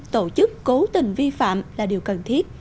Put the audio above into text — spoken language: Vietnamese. tổ chức cố tình vi phạm là điều cần thiết